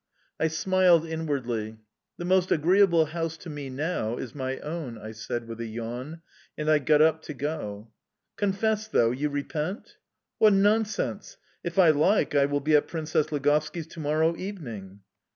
I smiled inwardly. "The most agreeable house to me now is my own," I said, with a yawn, and I got up to go. "Confess, though, you repent?"... "What nonsense! If I like I will be at Princess Ligovski's to morrow evening!"...